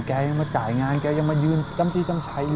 แกยังมาจ่ายงานแกยังมายื่นจ้ำจี้จ้ำชัยอยู่